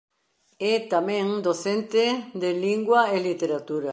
É tamén docente de lingua e literatura.